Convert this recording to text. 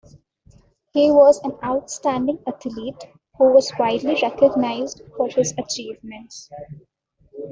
He was an outstanding athlete who was widely recognized for his achievements.